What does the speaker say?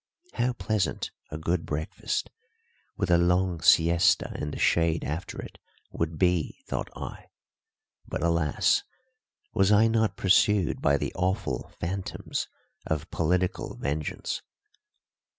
How pleasant a good breakfast, with a long siesta in the shade after it, would be, thought I; but, alas! was I not pursued by the awful phantoms of political vengeance?